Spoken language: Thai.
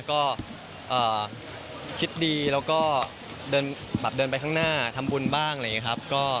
ก็คิดดีแล้วก็เดินแบบเดินไปข้างหน้าทำบุญบ้างอะไรอย่างนี้ครับ